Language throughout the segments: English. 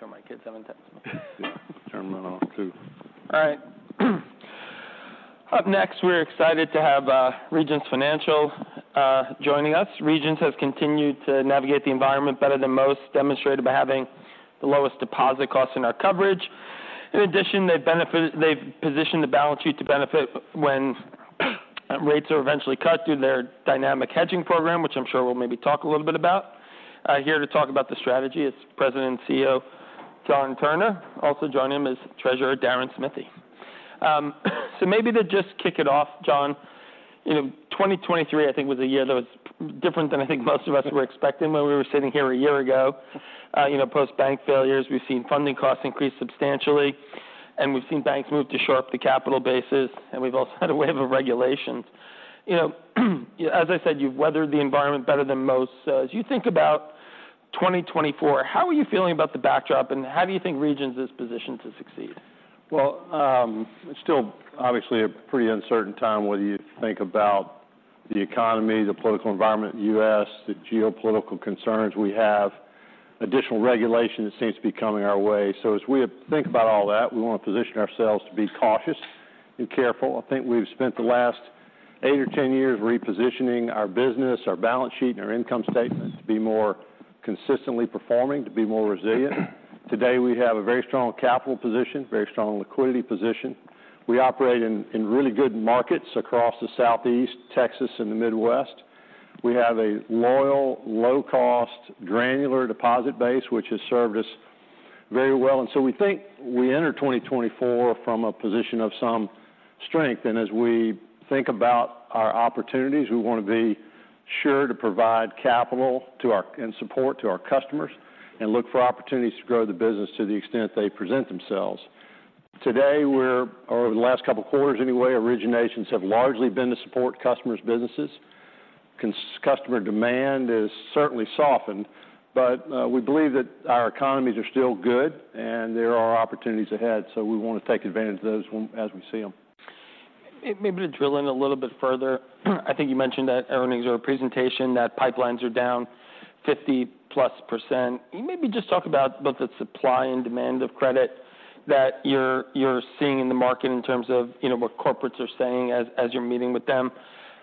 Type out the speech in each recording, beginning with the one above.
Making sure my kids haven't texted me. Turn mine off, too. All right. Up next, we're excited to have Regions Financial joining us. Regions has continued to navigate the environment better than most, demonstrated by having the lowest deposit costs in our coverage. In addition, they've positioned the balance sheet to benefit when rates are eventually cut through their dynamic hedging program, which I'm sure we'll maybe talk a little bit about. Here to talk about the strategy is President and CEO John Turner. Also joining him is Treasurer Deron Smithy. So maybe to just kick it off, John, you know, 2023, I think, was a year that was different than I think most of us were expecting when we were sitting here a year ago. You know, post-bank failures, we've seen funding costs increase substantially, and we've seen banks move to shore up the capital bases, and we've also had a wave of regulations. You know, as I said, you've weathered the environment better than most. So as you think about 2024, how are you feeling about the backdrop, and how do you think Regions is positioned to succeed? Well, it's still obviously a pretty uncertain time, whether you think about the economy, the political environment in the U.S., the geopolitical concerns we have. Additional regulation seems to be coming our way. So as we think about all that, we want to position ourselves to be cautious and careful. I think we've spent the last eight or 10 years repositioning our business, our balance sheet, and our income statements to be more consistently performing, to be more resilient. Today, we have a very strong capital position, very strong liquidity position. We operate in really good markets across the Southeast, Texas, and the Midwest. We have a loyal, low-cost, granular deposit base, which has served us very well. We think we enter 2024 from a position of some strength, and as we think about our opportunities, we want to be sure to provide capital to our and support to our customers and look for opportunities to grow the business to the extent they present themselves. Over the last couple of quarters anyway, originations have largely been to support customers' businesses. Customer demand has certainly softened, but we believe that our economies are still good, and there are opportunities ahead, so we want to take advantage of those as we see them. Maybe to drill in a little bit further, I think you mentioned that earnings or presentation, that pipelines are down 50%+. Maybe just talk about both the supply and demand of credit that you're seeing in the market in terms of, you know, what corporates are saying as, as you're meeting with them.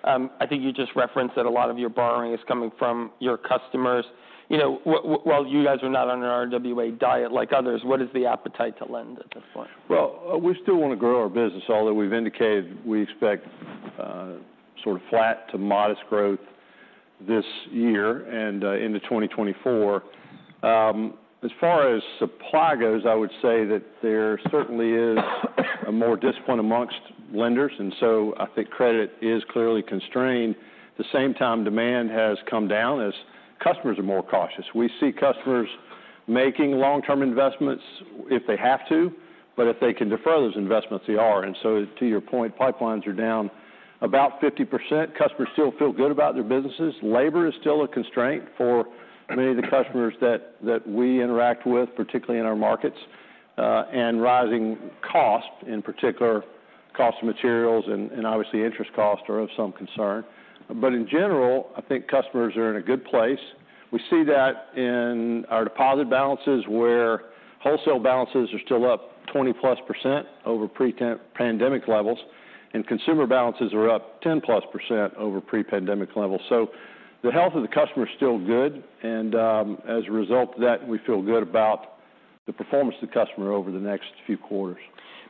I think you just referenced that a lot of your borrowing is coming from your customers. You know, well, you guys are not on an RWA diet like others. What is the appetite to lend at this point? Well, we still want to grow our business, although we've indicated we expect sort of flat to modest growth this year and into 2024. As far as supply goes, I would say that there certainly is a more discipline amongst lenders, and so I think credit is clearly constrained. At the same time, demand has come down as customers are more cautious. We see customers making long-term investments if they have to, but if they can defer those investments, they are. And so to your point, pipelines are down about 50%. Customers still feel good about their businesses. Labor is still a constraint for many of the customers that we interact with, particularly in our markets. And rising costs, in particular, cost of materials and obviously, interest costs are of some concern. In general, I think customers are in a good place. We see that in our deposit balances, where wholesale balances are still up 20+% over pre-pandemic levels, and consumer balances are up 10+% over pre-pandemic levels. The health of the customer is still good, and as a result of that, we feel good about the performance of the customer over the next few quarters.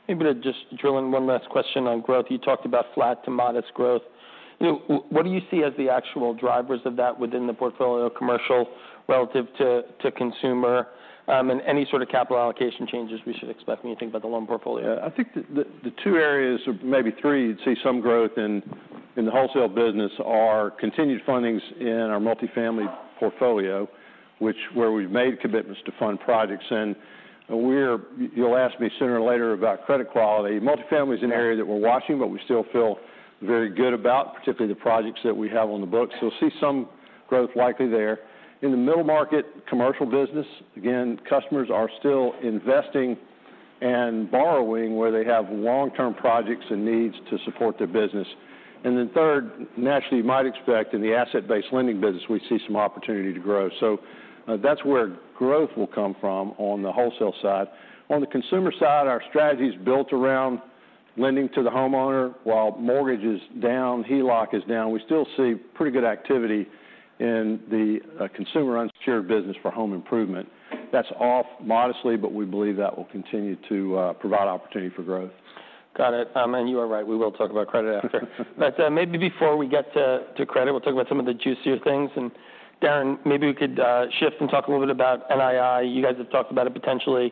Maybe to just drill in one last question on growth. You talked about flat to modest growth. You know, what do you see as the actual drivers of that within the portfolio commercial relative to consumer? And any sort of capital allocation changes we should expect when you think about the loan portfolio. I think the two areas, or maybe three, you'd see some growth in the wholesale business are continued fundings in our multifamily portfolio, where we've made commitments to fund projects. And you'll ask me sooner or later about credit quality. Multifamily is an area that we're watching, but we still feel very good about, particularly the projects that we have on the books. So we'll see some growth likely there. In the middle market, commercial business, again, customers are still investing and borrowing where they have long-term projects and needs to support their business. And then third, naturally, you might expect in the asset-based lending business, we see some opportunity to grow. So that's where growth will come from on the wholesale side. On the consumer side, our strategy is built around lending to the homeowner. While mortgage is down, HELOC is down, we still see pretty good activity in the consumer unsecured business for home improvement. That's off modestly, but we believe that will continue to provide opportunity for growth. Got it. And you are right, we will talk about credit after. But maybe before we get to credit, we'll talk about some of the juicier things. And Deron, maybe we could shift and talk a little bit about NII. You guys have talked about it potentially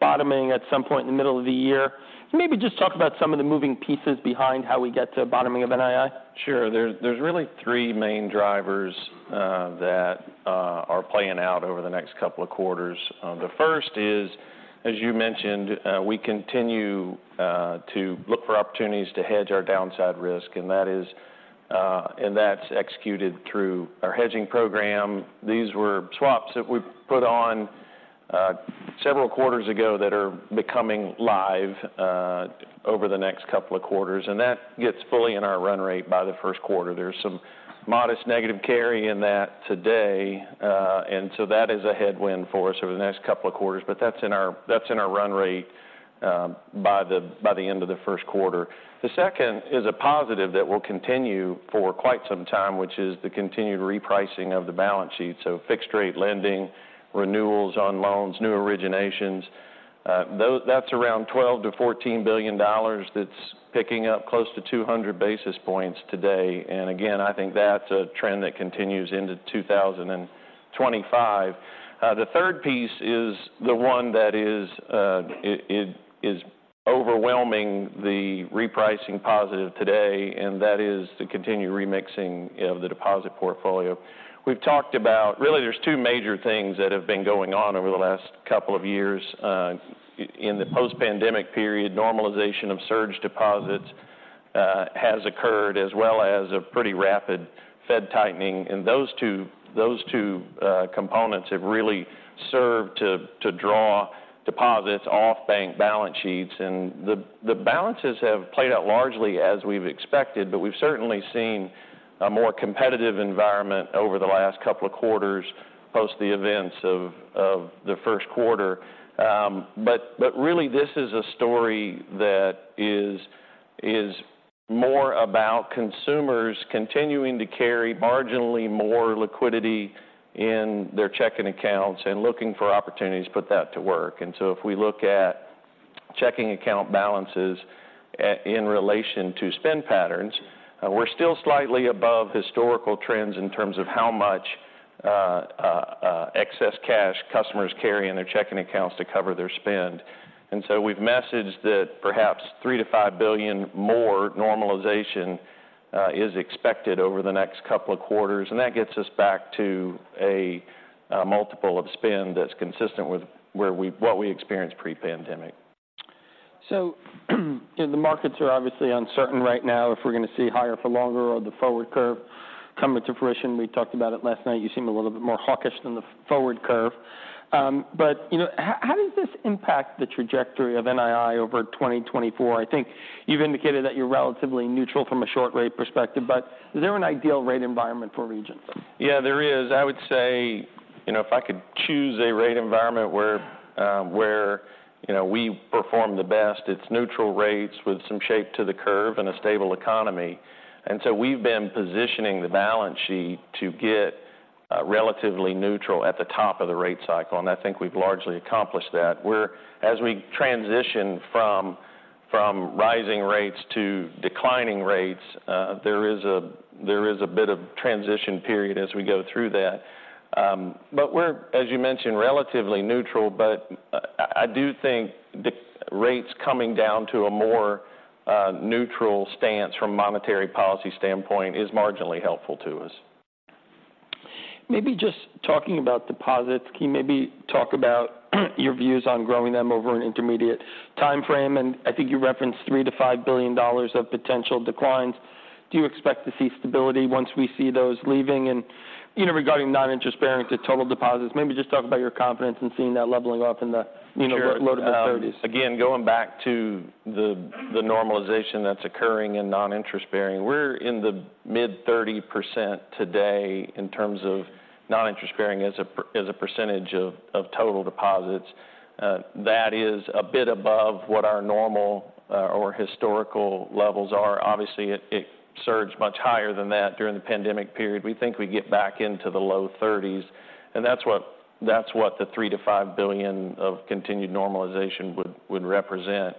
bottoming at some point in the middle of the year. Maybe just talk about some of the moving pieces behind how we get to bottoming of NII. Sure. There's really three main drivers that are playing out over the next couple of quarters. The first is, as you mentioned, we continue to look for opportunities to hedge our downside risk, and that's executed through our hedging program. These were swaps that we put on several quarters ago that are becoming live over the next couple of quarters, and that gets fully in our run rate by the first quarter. There's some modest negative carry in that today, and so that is a headwind for us over the next couple of quarters, but that's in our run rate by the end of the first quarter. The second is a positive that will continue for quite some time, which is the continued repricing of the balance sheet. So fixed-rate lending, renewals on loans, new originations, that's around $12 billion-$14 billion that's picking up close to 200 basis points today. And again, I think that's a trend that continues into 2025. The third piece is the one that is, it is overwhelming the repricing positive today, and that is the continued remixing of the deposit portfolio. We've talked about really, there's two major things that have been going on over the last couple of years. In the post-pandemic period, normalization of surge deposits has occurred, as well as a pretty rapid Fed tightening. And those two components have really served to draw deposits off bank balance sheets. The balances have played out largely as we've expected, but we've certainly seen a more competitive environment over the last couple of quarters post the events of the first quarter. But really, this is a story that is more about consumers continuing to carry marginally more liquidity in their checking accounts and looking for opportunities to put that to work. So if we look at checking account balances in relation to spend patterns, we're still slightly above historical trends in terms of how much excess cash customers carry in their checking accounts to cover their spend. So we've messaged that perhaps $3 billion-$5 billion more normalization is expected over the next couple of quarters, and that gets us back to a multiple of spend that's consistent with what we experienced pre-pandemic. So the markets are obviously uncertain right now if we're going to see higher for longer or the forward curve coming to fruition. We talked about it last night. You seem a little bit more hawkish than the forward curve. But, you know, how, how does this impact the trajectory of NII over 2024? I think you've indicated that you're relatively neutral from a short rate perspective, but is there an ideal rate environment for Regions? Yeah, there is. I would say, you know, if I could choose a rate environment where, where, you know, we perform the best, it's neutral rates with some shape to the curve and a stable economy. And so we've been positioning the balance sheet to get relatively neutral at the top of the rate cycle, and I think we've largely accomplished that. As we transition from rising rates to declining rates, there is a bit of transition period as we go through that. But we're, as you mentioned, relatively neutral, but I do think the rates coming down to a more neutral stance from a monetary policy standpoint is marginally helpful to us. Maybe just talking about deposits, can you maybe talk about your views on growing them over an intermediate time frame? And I think you referenced $3 billion-$5 billion of potential declines. Do you expect to see stability once we see those leaving? And, you know, regarding non-interest bearing to total deposits, maybe just talk about your confidence in seeing that leveling off in the, you know, low- to mid-30s. Again, going back to the normalization that's occurring in non-interest bearing, we're in the mid-30% today in terms of non-interest bearing as a percentage of total deposits. That is a bit above what our normal or historical levels are. Obviously, it surged much higher than that during the pandemic period. We think we get back into the low 30s, and that's what the $3 billion-$5 billion of continued normalization would represent.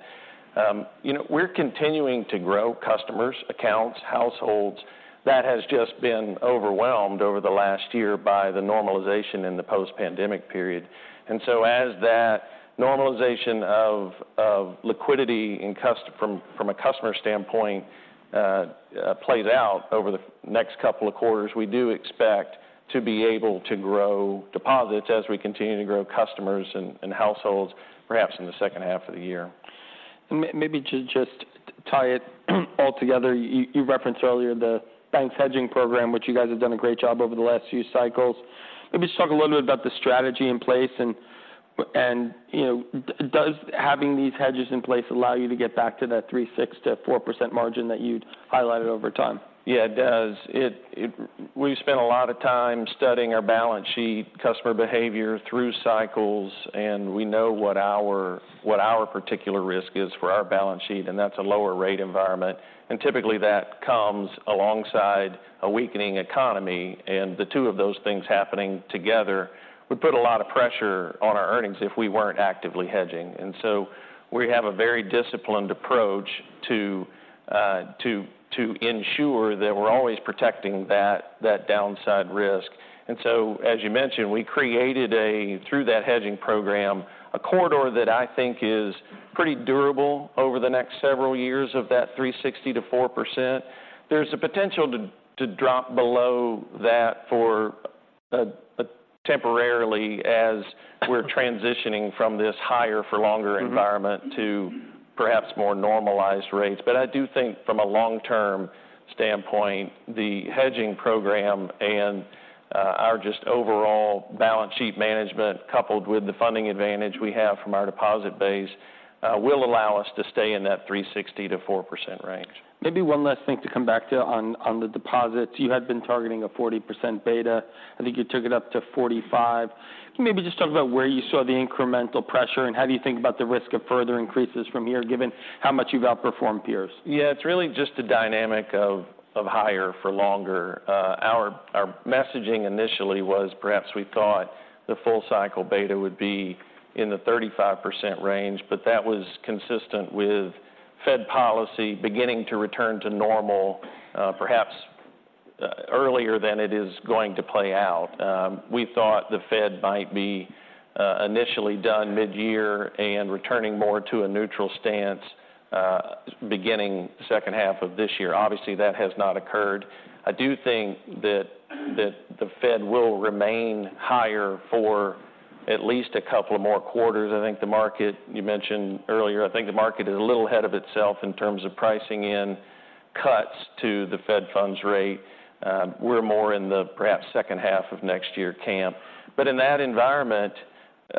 You know, we're continuing to grow customers, accounts, households. That has just been overwhelmed over the last year by the normalization in the post-pandemic period. And so as that normalization of liquidity from a customer standpoint plays out over the next couple of quarters, we do expect to be able to grow deposits as we continue to grow customers and households, perhaps in the second half of the year. Maybe to just tie it all together, you referenced earlier the bank's hedging program, which you guys have done a great job over the last few cycles. Maybe just talk a little bit about the strategy in place, and you know, does having these hedges in place allow you to get back to that 3.6%-4% margin that you'd highlighted over time? Yeah, it does. It, it... We've spent a lot of time studying our balance sheet, customer behavior through cycles, and we know what our, what our particular risk is for our balance sheet, and that's a lower rate environment. And typically, that comes alongside a weakening economy, and the two of those things happening together would put a lot of pressure on our earnings if we weren't actively hedging. And so we have a very disciplined approach to to ensure that we're always protecting that, that downside risk. And so, as you mentioned, we created through that hedging program, a corridor that I think is pretty durable over the next several years of that 3.60%-4%. There's a potential to drop below that temporarily as we're transitioning from this higher for longer environment- Mm-hmm... to perhaps more normalized rates. But I do think from a long-term standpoint, the hedging program and our just overall balance sheet management, coupled with the funding advantage we have from our deposit base, will allow us to stay in that 3.60%-4% range. Maybe one last thing to come back to on the deposits. You had been targeting a 40% beta. I think you took it up to 45. Maybe just talk about where you saw the incremental pressure and how do you think about the risk of further increases from here, given how much you've outperformed peers? Yeah, it's really just the dynamic of higher for longer. Our messaging initially was perhaps we thought the full cycle beta would be in the 35% range, but that was consistent with Fed policy beginning to return to normal, perhaps earlier than it is going to play out. We thought the Fed might be initially done mid-year and returning more to a neutral stance, beginning second half of this year. Obviously, that has not occurred. I do think that the Fed will remain higher for at least a couple of more quarters. I think the market, you mentioned earlier, I think the market is a little ahead of itself in terms of pricing in cuts to the Fed funds rate. We're more in the perhaps second half of next year camp. But in that environment, it's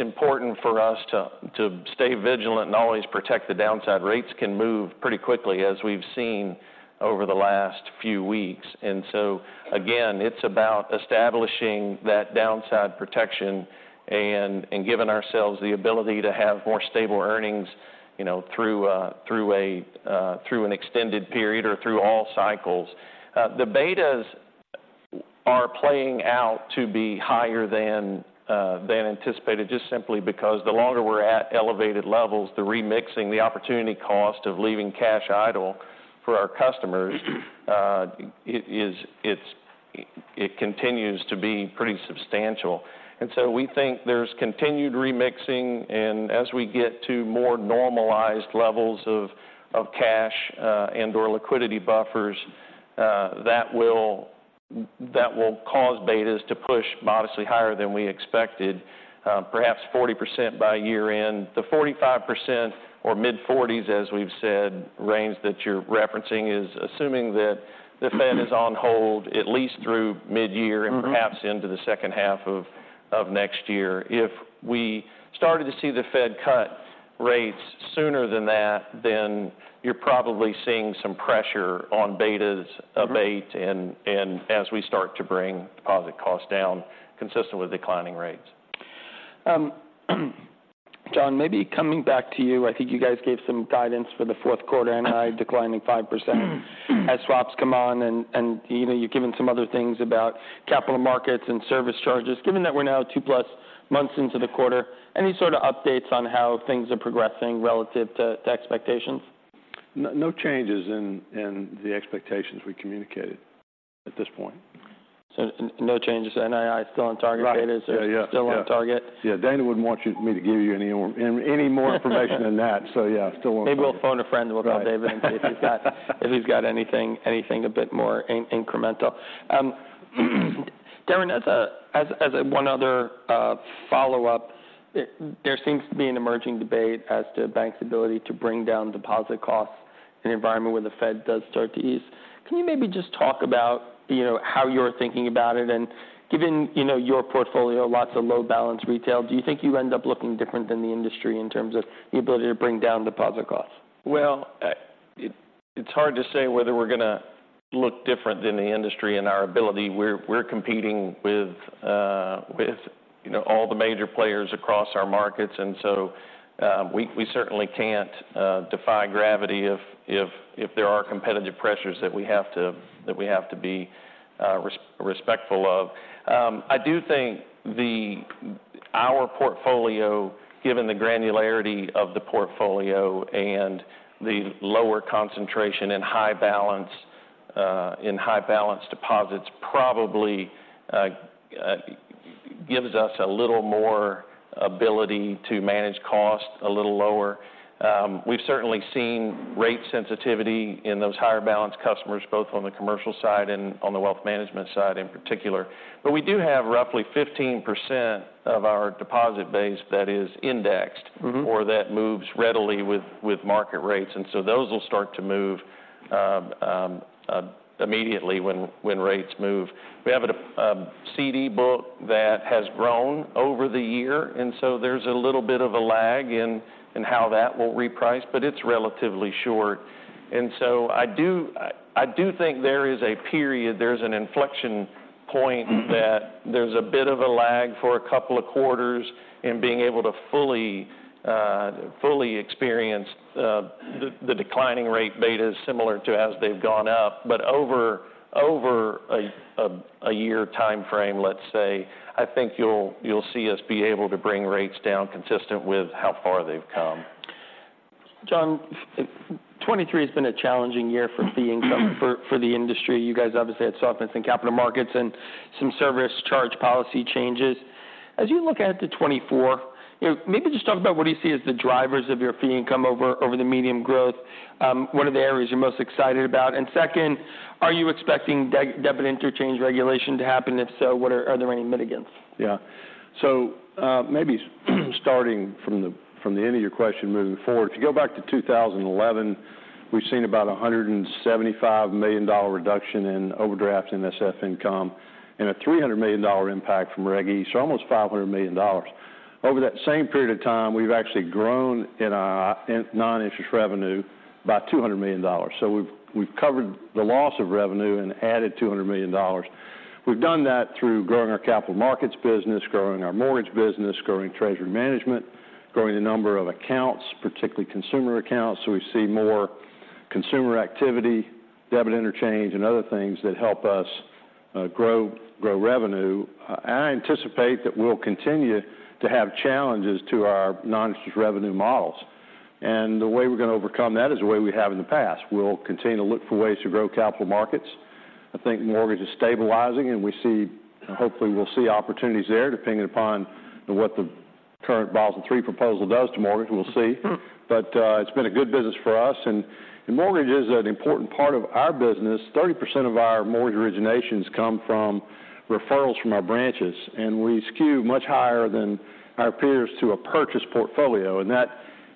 important for us to stay vigilant and always protect the downside. Rates can move pretty quickly, as we've seen over the last few weeks. And so again, it's about establishing that downside protection and giving ourselves the ability to have more stable earnings, you know, through an extended period or through all cycles. The betas are playing out to be higher than anticipated, just simply because the longer we're at elevated levels, the remixing, the opportunity cost of leaving cash idle for our customers, it continues to be pretty substantial. And so we think there's continued remixing, and as we get to more normalized levels of, of cash, and/or liquidity buffers, that will, that will cause betas to push modestly higher than we expected, perhaps 40% by year-end. The 45% or mid-40s, as we've said, range that you're referencing, is assuming that the Fed is on hold at least through mid-year- Mm-hmm. and perhaps into the second half of next year. If we started to see the Fed cut rates sooner than that, then you're probably seeing some pressure on betas of eight- Mm-hmm. as we start to bring deposit costs down, consistent with declining rates. John, maybe coming back to you. I think you guys gave some guidance for the fourth quarter, NII declining 5%. As swaps come on and, you know, you've given some other things about capital markets and service charges. Given that we're now 2+ months into the quarter, any sort of updates on how things are progressing relative to expectations? No changes in the expectations we communicated at this point. No changes. NII still on target- Right. Betas are- Yeah, yeah. Still on target? Yeah, Dana wouldn't want me to give you any more, any more information than that, so yeah, still on target. Maybe we'll phone a friend- Right. and we'll call David and see if he's got anything a bit more incremental. Deron, as one other follow-up, there seems to be an emerging debate as to banks' ability to bring down deposit costs in an environment where the Fed does start to ease. Can you maybe just talk about, you know, how you're thinking about it? And given, you know, your portfolio, lots of low-balance retail, do you think you end up looking different than the industry in terms of the ability to bring down deposit costs? Well, it's hard to say whether we're going to look different than the industry in our ability. We're competing with, you know, all the major players across our markets, and so, we certainly can't defy gravity if there are competitive pressures that we have to be respectful of. I do think our portfolio, given the granularity of the portfolio and the lower concentration in high balance deposits, probably gives us a little more ability to manage costs a little lower. We've certainly seen rate sensitivity in those higher balance customers, both on the commercial side and on the wealth management side in particular. But we do have roughly 15% of our deposit base that is indexed- Mm-hmm... or that moves readily with market rates, and so those will start to move immediately when rates move. We have a CD book that has grown over the year, and so there's a little bit of a lag in how that will reprice, but it's relatively short. And so I do think there is a period. There's an inflection point that there's a bit of a lag for a couple of quarters in being able to fully experience the declining rate betas similar to as they've gone up. But over a year timeframe, let's say, I think you'll see us be able to bring rates down consistent with how far they've come. John, 2023 has been a challenging year for fee income—for the industry. You guys obviously had softness in capital markets and some service charge policy changes. As you look ahead to 2024, you know, maybe just talk about what do you see as the drivers of your fee income over the medium-term growth? What are the areas you're most excited about? And second, are you expecting debit interchange regulation to happen? If so, are there any mitigants? Yeah.... So, maybe starting from the end of your question, moving forward. If you go back to 2011, we've seen about a $175 million reduction in overdraft NSF income, and a $300 million impact from Reg E, so almost $500 million. Over that same period of time, we've actually grown our non-interest revenue by $200 million. So we've covered the loss of revenue and added $200 million. We've done that through growing our capital markets business, growing our mortgage business, growing treasury management, growing the number of accounts, particularly consumer accounts, so we see more consumer activity, debit interchange, and other things that help us grow revenue. And I anticipate that we'll continue to have challenges to our non-interest revenue models. And the way we're going to overcome that is the way we have in the past. We'll continue to look for ways to grow capital markets. I think mortgage is stabilizing, and we see, hopefully, we'll see opportunities there, depending upon what the current Basel III proposal does to mortgage. We'll see. But, it's been a good business for us, and the mortgage is an important part of our business. 30% of our mortgage originations come from referrals from our branches, and we skew much higher than our peers to a purchase portfolio, and that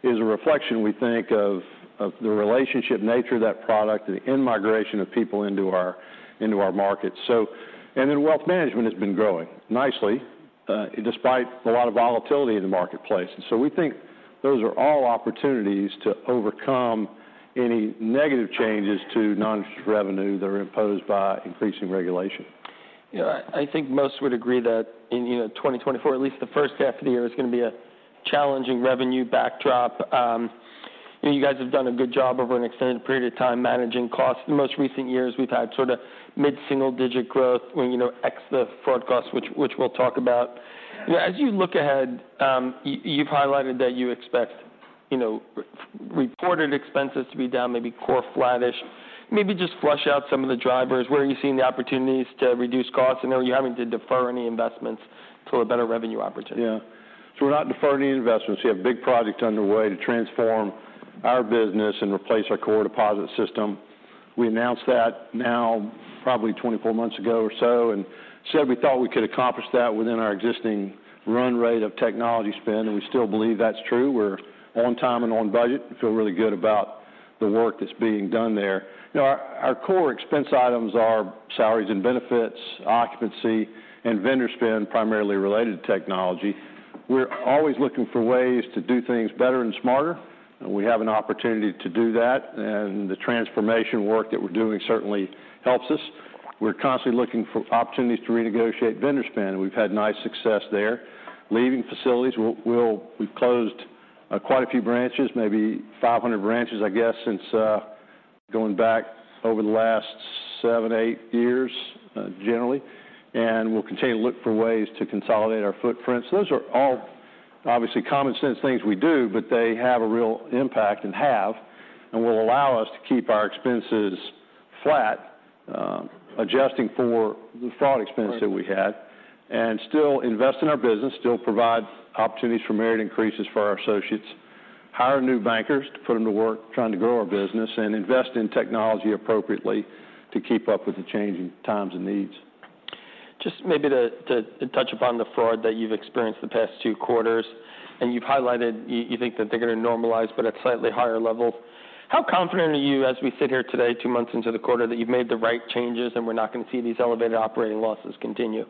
is a reflection, we think, of, of the relationship nature of that product and the in-migration of people into our, into our markets. So, and then wealth management has been growing nicely, despite a lot of volatility in the marketplace. We think those are all opportunities to overcome any negative changes to non-interest revenue that are imposed by increasing regulation. Yeah, I think most would agree that in, you know, 2024, at least the first half of the year, is going to be a challenging revenue backdrop. You know, you guys have done a good job over an extended period of time managing costs. In most recent years, we've had sort of mid-single-digit growth when, you know, ex the fraud costs, which we'll talk about. As you look ahead, you've highlighted that you expect, you know, reported expenses to be down, maybe core flattish. Maybe just flush out some of the drivers. Where are you seeing the opportunities to reduce costs, and are you having to defer any investments to a better revenue opportunity? Yeah. So we're not deferring any investments. We have a big project underway to transform our business and replace our core deposit system. We announced that now probably 24 months ago or so, and said we thought we could accomplish that within our existing run rate of technology spend, and we still believe that's true. We're on time and on budget, and feel really good about the work that's being done there. You know, our core expense items are salaries and benefits, occupancy, and vendor spend, primarily related to technology. We're always looking for ways to do things better and smarter, and we have an opportunity to do that, and the transformation work that we're doing certainly helps us. We're constantly looking for opportunities to renegotiate vendor spend, and we've had nice success there. Leaving facilities, we've closed quite a few branches, maybe 500 branches, I guess, since going back over the last seven-eight years, generally, and we'll continue to look for ways to consolidate our footprint. So those are all obviously common sense things we do, but they have a real impact, and have, and will allow us to keep our expenses flat, adjusting for the fraud expense that we had, and still invest in our business, still provide opportunities for merit increases for our associates, hire new bankers to put them to work, trying to grow our business, and invest in technology appropriately to keep up with the changing times and needs. Just maybe to touch upon the fraud that you've experienced the past two quarters, and you've highlighted you think that they're going to normalize, but at slightly higher levels. How confident are you, as we sit here today, two months into the quarter, that you've made the right changes and we're not going to see these elevated operating losses continue?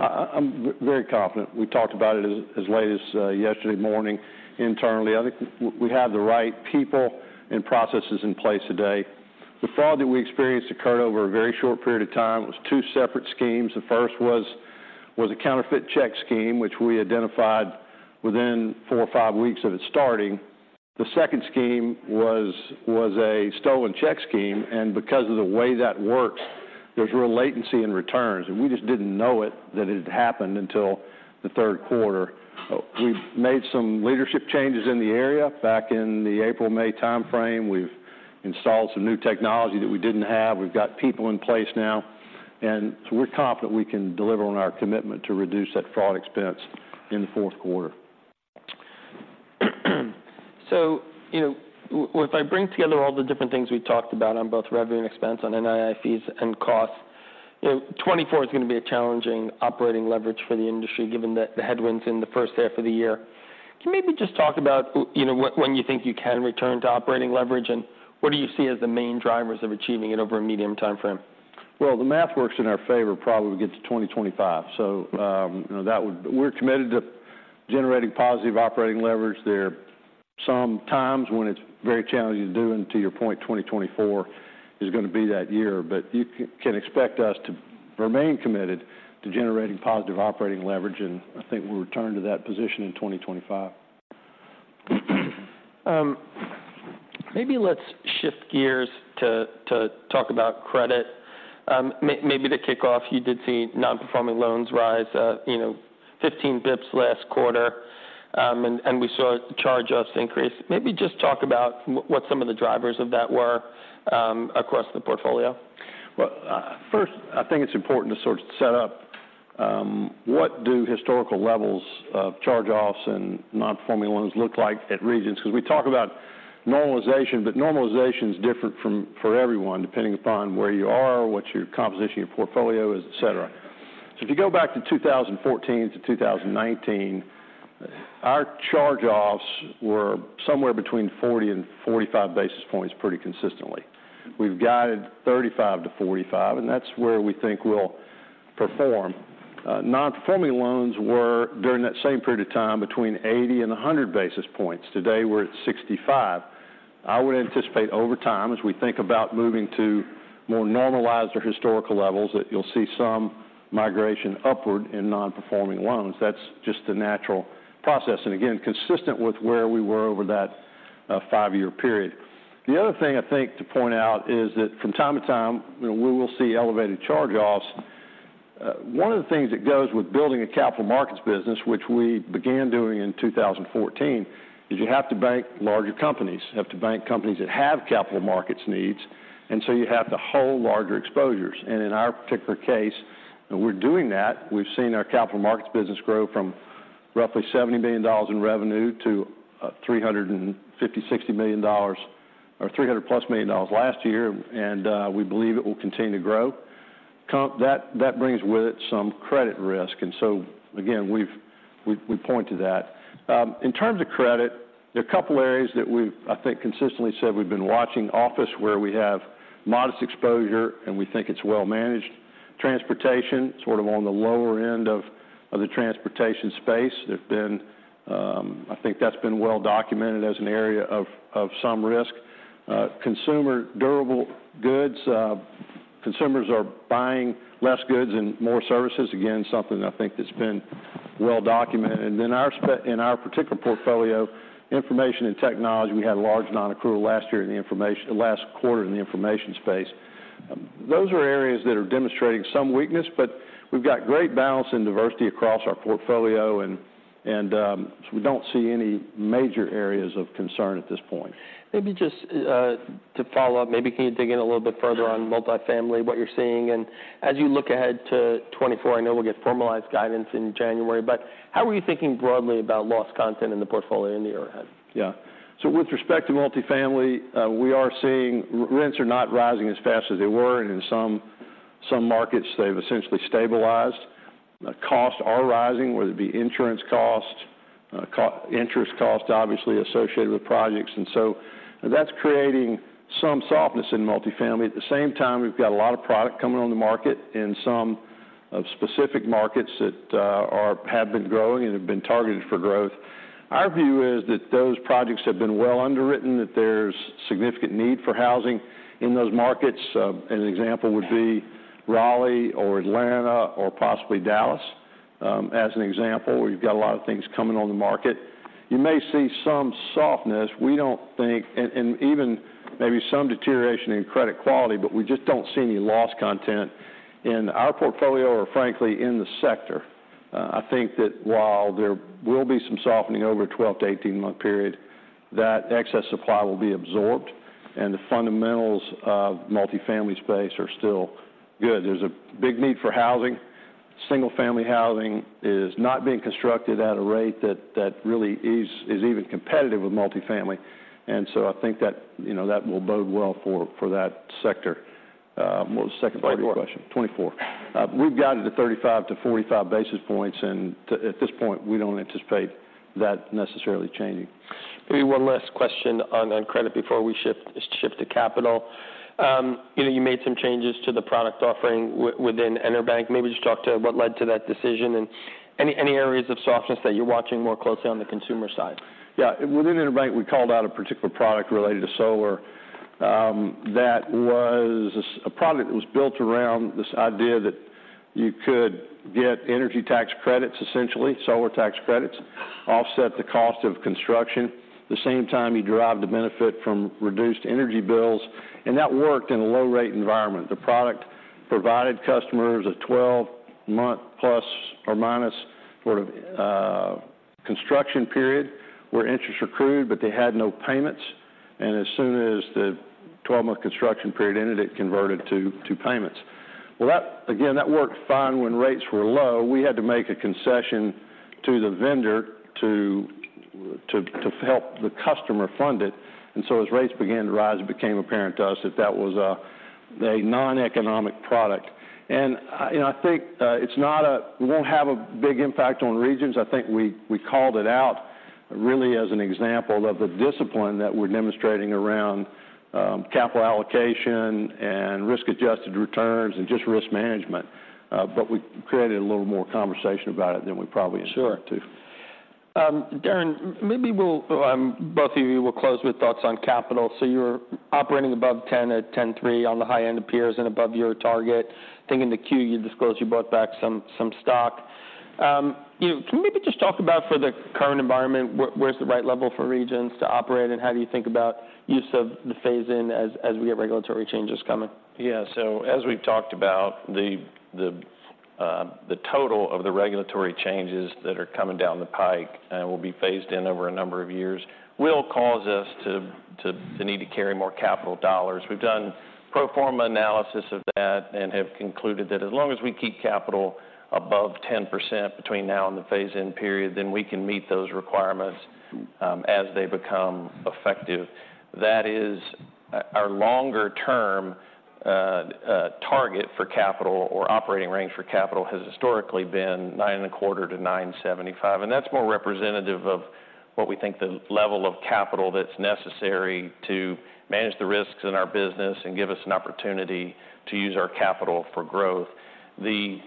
I'm very confident. We talked about it as late as yesterday morning internally. I think we have the right people and processes in place today. The fraud that we experienced occurred over a very short period of time. It was two separate schemes. The first was a counterfeit check scheme, which we identified within four or five weeks of it starting. The second scheme was a stolen check scheme, and because of the way that works, there's real latency in returns, and we just didn't know it, that it had happened until the third quarter. We've made some leadership changes in the area back in the April-May time frame. We've installed some new technology that we didn't have. We've got people in place now, and so we're confident we can deliver on our commitment to reduce that fraud expense in the fourth quarter. So, you know, if I bring together all the different things we've talked about on both revenue and expense, on NII fees and costs, you know, 2024 is going to be a challenging operating leverage for the industry, given the headwinds in the first half of the year. Can you maybe just talk about you know, when you think you can return to operating leverage, and what do you see as the main drivers of achieving it over a medium time frame? Well, the math works in our favor, probably get to 2025. So, you know, that would-- we're committed to generating positive operating leverage there. Sometimes when it's very challenging to do, and to your point, 2024 is going to be that year. But you can expect us to remain committed to generating positive operating leverage, and I think we'll return to that position in 2025. Maybe let's shift gears to talk about credit. Maybe to kick off, you did see non-performing loans rise, you know, 15 basis points last quarter, and we saw charge-offs increase. Maybe just talk about what some of the drivers of that were, across the portfolio. Well, first, I think it's important to sort of set up what historical levels of charge-offs and non-performing loans look like at Regions. Because we talk about normalization, but normalization is different from, for everyone, depending upon where you are, what your composition of your portfolio is, et cetera. So if you go back to 2014-2019, our charge-offs were somewhere between 40 and 45 basis points pretty consistently. We've guided 35-45, and that's where we think we'll perform. Non-performing loans were, during that same period of time, between 80 and 100 basis points. Today, we're at 65. I would anticipate over time, as we think about moving to more normalized or historical levels, that you'll see some migration upward in non-performing loans. That's just the natural process, and again, consistent with where we were over that five-year period. The other thing I think to point out is that from time to time, we will see elevated charge-offs. One of the things that goes with building a capital markets business, which we began doing in 2014, is you have to bank larger companies. You have to bank companies that have capital markets needs, and so you have to hold larger exposures. And in our particular case, and we're doing that, we've seen our capital markets business grow from roughly $70 billion in revenue to $356 million or $300+ million last year, and we believe it will continue to grow. That brings with it some credit risk, and so again, we point to that. In terms of credit, there are a couple of areas that we've, I think, consistently said we've been watching. Office, where we have modest exposure, and we think it's well managed. Transportation, sort of on the lower end of the transportation space. There's been I think that's been well documented as an area of some risk. Consumer durable goods. Consumers are buying less goods and more services. Again, something I think that's been well documented. And then in our particular portfolio, information and technology, we had a large nonaccrual last quarter in the information space. Those are areas that are demonstrating some weakness, but we've got great balance and diversity across our portfolio, and so we don't see any major areas of concern at this point. Maybe just, to follow up, maybe can you dig in a little bit further on multifamily, what you're seeing? As you look ahead to 2024, I know we'll get formalized guidance in January, but how are you thinking broadly about loss content in the portfolio in the year ahead? Yeah. So with respect to multifamily, we are seeing rents are not rising as fast as they were, and in some markets, they've essentially stabilized. Costs are rising, whether it be insurance costs, interest costs, obviously associated with projects, and so that's creating some softness in multifamily. At the same time, we've got a lot of product coming on the market in some specific markets that have been growing and have been targeted for growth. Our view is that those projects have been well underwritten, that there's significant need for housing in those markets. An example would be Raleigh or Atlanta or possibly Dallas, as an example, where you've got a lot of things coming on the market. You may see some softness. We don't think... And even maybe some deterioration in credit quality, but we just don't see any loss content in our portfolio or frankly, in the sector. I think that while there will be some softening over a 12- to 18-month period, that excess supply will be absorbed, and the fundamentals of multifamily space are still good. There's a big need for housing. Single-family housing is not being constructed at a rate that really is even competitive with multifamily, and so I think that, you know, that will bode well for, for that sector. What was the second part of your question? 'Twenty-four. 24. We've guided to 35-45 basis points, and at this point, we don't anticipate that necessarily changing. Maybe one last question on credit before we shift to capital. You know, you made some changes to the product offering within EnerBank. Maybe just talk to what led to that decision and any areas of softness that you're watching more closely on the consumer side. Yeah. Within EnerBank, we called out a particular product related to solar, that was a product that was built around this idea that you could get energy tax credits, essentially, solar tax credits, offset the cost of construction. At the same time, you derive the benefit from reduced energy bills, and that worked in a low-rate environment. The product provided customers a 12-month-plus or minus, sort of, construction period where interest accrued, but they had no payments, and as soon as the 12-month construction period ended, it converted to payments. Well, that, again, that worked fine when rates were low. We had to make a concession to the vendor to help the customer fund it, and so as rates began to rise, it became apparent to us that that was a noneconomic product. I think it won't have a big impact on Regions. I think we called it out really as an example of the discipline that we're demonstrating around capital allocation and risk-adjusted returns and just risk management. But we created a little more conversation about it than we probably intended to. Sure. Deron, maybe we'll both of you will close with thoughts on capital. So you're operating above 10 at 10.3 on the high end of peers and above your target. I think in the Q, you disclosed you bought back some stock. Can you maybe just talk about for the current environment, where's the right level for Regions to operate, and how do you think about use of the phase-in as we get regulatory changes coming? Yeah. So as we've talked about, the... the total of the regulatory changes that are coming down the pike and will be phased in over a number of years, will cause us to need to carry more capital dollars. We've done pro forma analysis of that and have concluded that as long as we keep capital above 10% between now and the phase-in period, then we can meet those requirements, as they become effective. That is, our longer-term target for capital or operating range for capital has historically been 9.25%-9.75%, and that's more representative of what we think the level of capital that's necessary to manage the risks in our business and give us an opportunity to use our capital for growth. The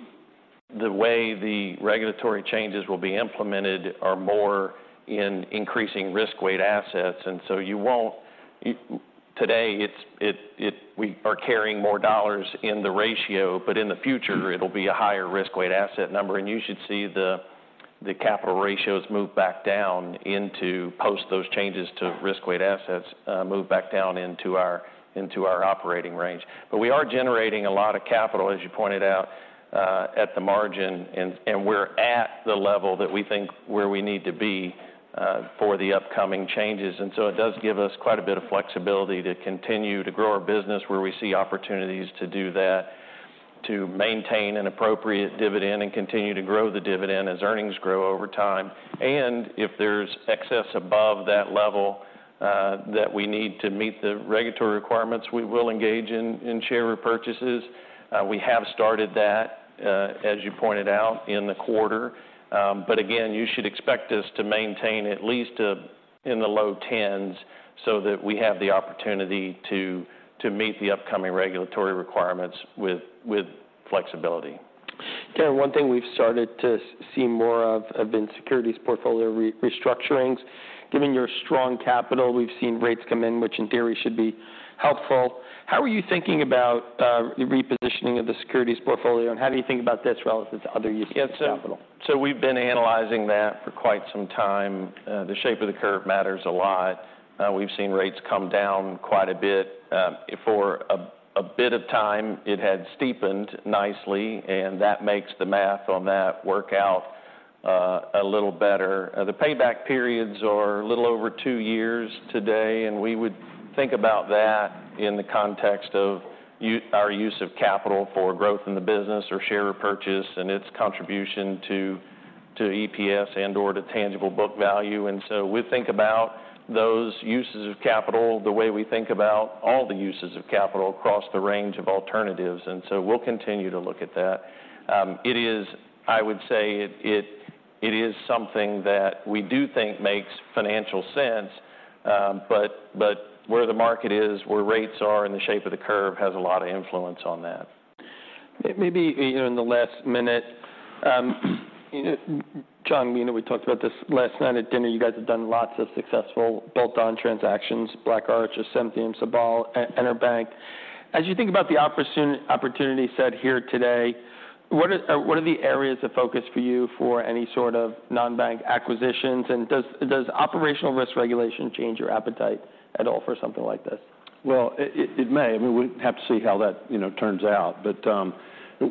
way the regulatory changes will be implemented are more in increasing risk-weighted assets, and so you won't—Today, it's we are carrying more dollars in the ratio, but in the future, it'll be a higher risk-weighted asset number, and you should see the capital ratios move back down into, post those changes to risk-weighted assets, move back down into our operating range. But we are generating a lot of capital, as you pointed out, at the margin, and we're at the level that we think where we need to be, for the upcoming changes. And so it does give us quite a bit of flexibility to continue to grow our business where we see opportunities to do that, to maintain an appropriate dividend, and continue to grow the dividend as earnings grow over time. If there's excess above that level that we need to meet the regulatory requirements, we will engage in share repurchases. We have started that, as you pointed out, in the quarter. But again, you should expect us to maintain at least in the low tens, so that we have the opportunity to meet the upcoming regulatory requirements with flexibility. Ken, one thing we've started to see more of have been securities portfolio restructurings. Given your strong capital, we've seen rates come in, which in theory should be helpful. How are you thinking about the repositioning of the securities portfolio, and how do you think about this relative to other use of capital? So we've been analyzing that for quite some time. The shape of the curve matters a lot. We've seen rates come down quite a bit. For a bit of time, it had steepened nicely, and that makes the math on that work out a little better. The payback periods are a little over two years today, and we would think about that in the context of our use of capital for growth in the business or share repurchase and its contribution to EPS and/or to tangible book value. And so we think about those uses of capital, the way we think about all the uses of capital across the range of alternatives, and so we'll continue to look at that. It is... I would say, it is something that we do think makes financial sense, but where the market is, where rates are, and the shape of the curve has a lot of influence on that. Maybe even in the last minute, John, you know, we talked about this last night at dinner. You guys have done lots of successful built-on transactions, BlackArch, Ascentium, Sabal, and EnerBank. As you think about the opportunity set here today, what are the areas of focus for you for any sort of non-bank acquisitions? And does operational risk regulation change your appetite at all for something like this? Well, it may. I mean, we have to see how that, you know, turns out. But,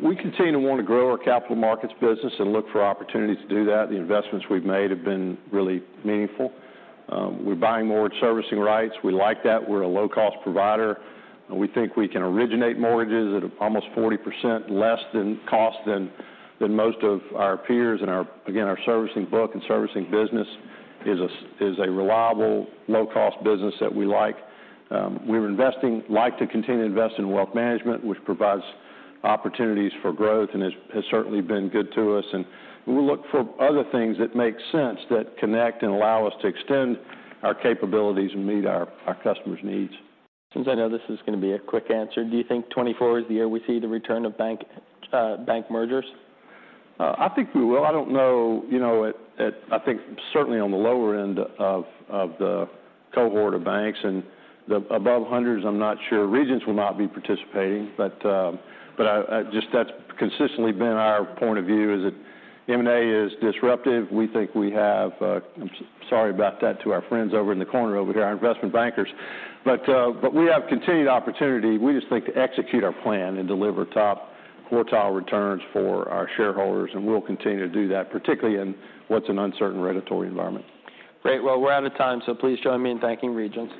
we continue to want to grow our capital markets business and look for opportunities to do that. The investments we've made have been really meaningful. We're buying more servicing rights. We like that. We're a low-cost provider, and we think we can originate mortgages at almost 40% less than cost than most of our peers and our, again, our servicing book and servicing business is a reliable, low-cost business that we like. We're investing, like to continue to invest in wealth management, which provides opportunities for growth and has certainly been good to us. And we'll look for other things that make sense, that connect and allow us to extend our capabilities and meet our customers' needs. Since I know this is gonna be a quick answer, do you think 2024 is the year we see the return of bank, bank mergers? I think we will. I don't know, you know, I think certainly on the lower end of the cohort of banks and the above hundreds, I'm not sure. Regions will not be participating, but just that's consistently been our point of view, is that M&A is disruptive. We think we have... I'm sorry about that to our friends over in the corner, over here, our investment bankers. But we have continued opportunity, we just like to execute our plan and deliver top quartile returns for our shareholders, and we'll continue to do that, particularly in what's an uncertain regulatory environment. Great. Well, we're out of time, so please join me in thanking Regions.